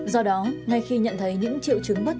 do đó ngay khi nhận thấy những triệu trứng